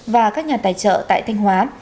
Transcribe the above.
và các nhà tài trợ tại thanh hóa